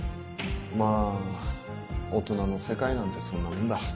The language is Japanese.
まぁ大人の世界なんてそんなもんだ。